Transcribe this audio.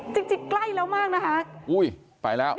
จิ๊กใกล้แล้วมากนะคะ